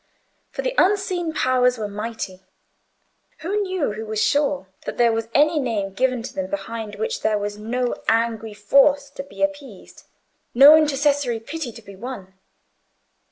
For the Unseen Powers were mighty. Who knew—who was sure—that there was any name given to them behind which there was no angry force to be appeased, no intercessory pity to be won?